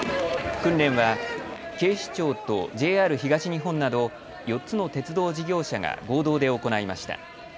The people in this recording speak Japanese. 訓練は警視庁とＪＲ東日本など４つの鉄道事業者が合同で行いました。